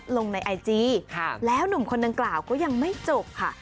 แล้วหนุ่มคนนั้นกล่าวก็ยังไม่จบค่ะ